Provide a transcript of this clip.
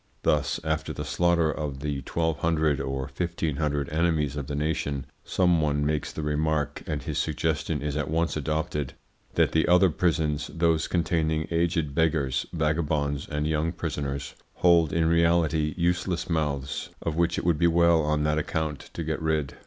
Thus, after the slaughter of the 1,200 or 1,500 enemies of the nation, some one makes the remark, and his suggestion is at once adopted, that the other prisons, those containing aged beggars, vagabonds, and young prisoners, hold in reality useless mouths, of which it would be well on that account to get rid.